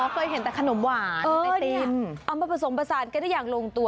เคยเห็นแต่ขนมหวานไอติมเอามาผสมผสานกันได้อย่างลงตัว